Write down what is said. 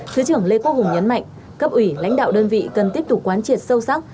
thứ trưởng lê quốc hùng nhấn mạnh cấp ủy lãnh đạo đơn vị cần tiếp tục quán triệt sâu sắc